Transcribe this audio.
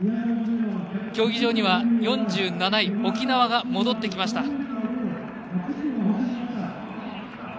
競技場には４７位、沖縄が戻ってきました。